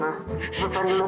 mas kevin yang mana mas kevin